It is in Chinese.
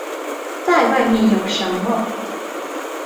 再外面有什么